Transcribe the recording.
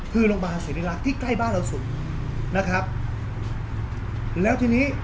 คือโรงพยาบาลศิริรักษ์ที่ใกล้บ้านเราสุดนะครับแล้วทีนี้